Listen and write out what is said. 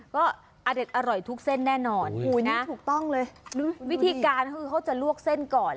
ก็อเด็ดอร่อยทุกเส้นแน่นอนถูกต้องเลยวิธีการคือเขาจะลวกเส้นก่อน